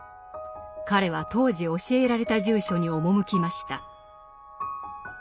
彼は当時教えられた住所に赴きました。